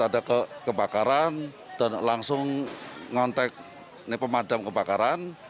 ada kebakaran dan langsung ngontek ini pemadam kebakaran